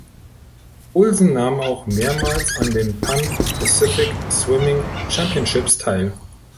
Olsen nahm auch mehrmals an den Pan Pacific Swimming Championships teil.